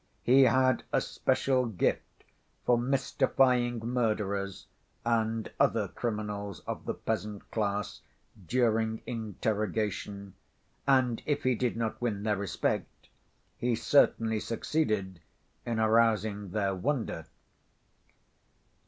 He had a special gift for mystifying murderers and other criminals of the peasant class during interrogation, and if he did not win their respect, he certainly succeeded in arousing their wonder.